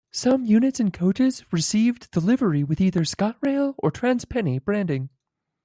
Some units and coaches received the livery with either "ScotRail" or "Trans-Pennine" branding.